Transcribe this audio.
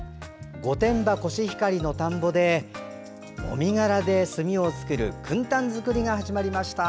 御殿場コシヒカリの田んぼでもみ殻で炭を作るくん炭作りが始まりました。